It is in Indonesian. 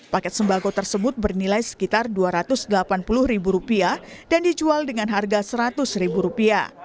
paket sembako tersebut bernilai sekitar rp dua ratus delapan puluh dan dijual dengan harga rp seratus